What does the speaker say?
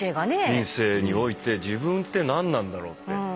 人生において自分って何なんだろうって。